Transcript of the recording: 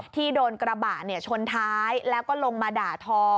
ที่โดนกระบะชนท้ายแล้วก็ลงมาด่าทอ